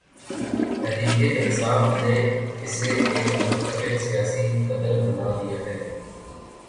تحریک انصاف نے اسے ایک مستقل سیاسی قدر بنا دیا ہے۔